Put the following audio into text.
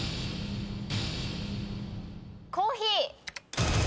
コーヒー。